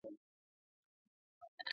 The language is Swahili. Usambaaji na misimu